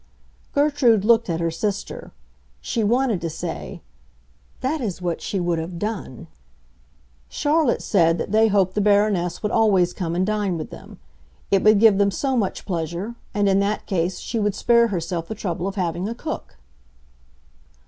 Gertrude looked at her sister. She wanted to say, "That is what she would have done." Charlotte said that they hoped the Baroness would always come and dine with them; it would give them so much pleasure; and, in that case, she would spare herself the trouble of having a cook.